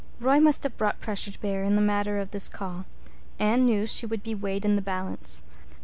Roy must have brought pressure to bear in the matter of this call. Anne knew she would be weighed in the balance.